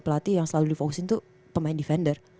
pelatih yang selalu di fokusin tuh pemain defender